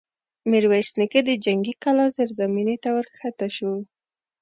ميرويس نيکه د جنګي کلا زېرزميني ته ور کښه شو.